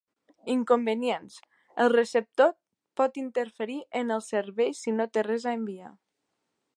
Inconvenients: El receptor pot interferir en el servei si no té res per enviar.